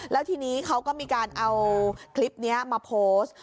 แล้วทีนี้เขาก็มีการเอาคลิปนี้มาโพสต์